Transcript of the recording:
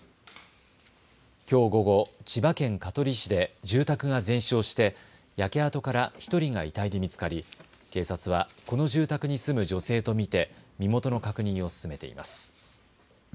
きょう午後、千葉県香取市で住宅が全焼して焼け跡から１人が遺体で見つかり警察はこの住宅に住む女性と見て身元の確認を進めています。